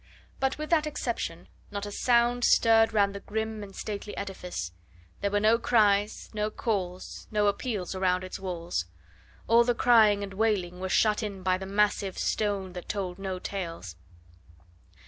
But with that exception not a sound stirred round the grim and stately edifice; there were no cries, no calls, no appeals around its walls. All the crying and wailing was shut in by the massive stone that told no tales.